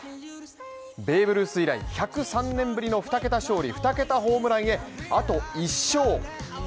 ベーブ・ルース以来、１０３年ぶりの２桁勝利、２桁ホームランへあと１勝。